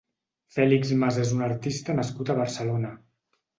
Félix Mas és un artista nascut a Barcelona.